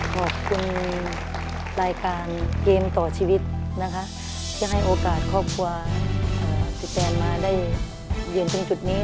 ขอบคุณรายการเกมต่อชีวิตนะคะที่ให้โอกาสครอบครัวพี่แตนมาได้เยือนตรงจุดนี้